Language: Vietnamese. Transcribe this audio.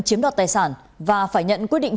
chiếm đoạt tài sản và phải nhận quyết định